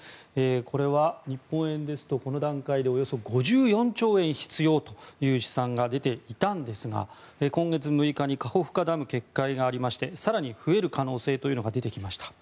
これは、日本円ですとこの段階でおよそ５４兆円必要という試算が出ていたんですが今月６日にカホフカダム決壊がありまして更に増える可能性が出てきました。